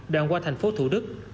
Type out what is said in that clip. đoàn qua thành phố thủ đức